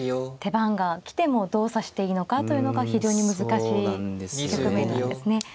手番が来てもどう指していいのかというのが非常に難しい局面なんですね。